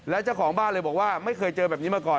แล้วเจ้าของบ้านเลยบอกว่าไม่เคยเจอแบบนี้มาก่อน